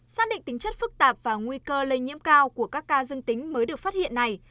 xác định tính chất phức tạp và nguy cơ lây nhiễm cao của các ca dương tính mới được phát hiện này